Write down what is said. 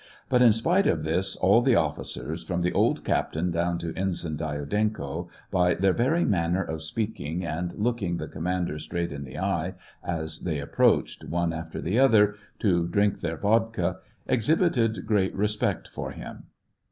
But, in spite of this, all the officers, from the old captain down to Ensign Dyadenko, by their very manner of speaking and looking the commander straight in the eye, as they approached, one after the other, to drink their vodka, exhibited great respect for him.